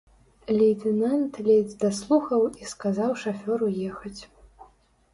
Лейтэнант ледзь даслухаў і сказаў шафёру ехаць.